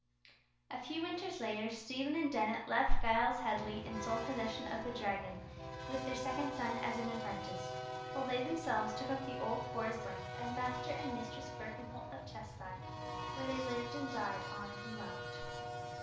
A few winters later Stephen and Dennet left Giles Headley in sole possession of the Dragon, with their second son as an apprentice, while they themselves took up the old forest life as Master and Mistress Birkenholt of Testside, where they lived and died honoured and loved.